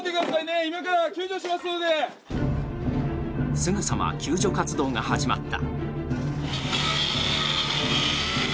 すぐさま救助活動が始まった。